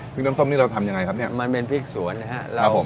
น้ำส้มนี่เราทำยังไงครับเนี่ยมันเป็นพริกสวนนะครับครับผม